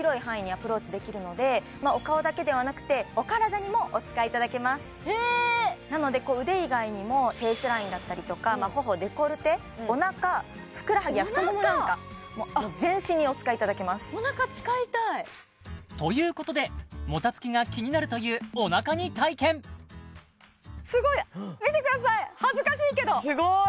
アプローチできるのでお顔だけではなくてお体にもお使いいただけますなので腕以外にもフェイスラインだったりとか頬デコルテおなかふくらはぎや太ももなんかもう全身にお使いいただけますということでもたつきが気になるというおなかに体験すごい見てください恥ずかしいけどすごい！